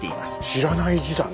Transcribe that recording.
知らない字だね。